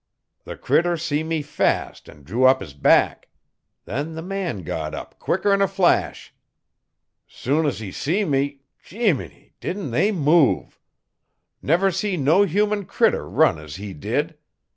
The critter see me fast an' drew up 'is back. Then the man got up quickerin' a flash. Soon 'she see me Jeemimey! didn't they move. Never see no human critter run as he did!